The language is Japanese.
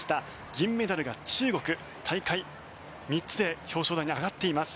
銀メダルが中国、大会３つで表彰台に上がっています。